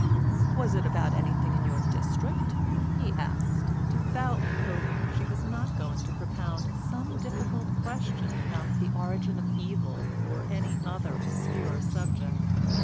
"Was it about anything in your district?" he asked, devoutly hoping that she was not going to propound some difficult question about the origin of evil, or any other obscure subject.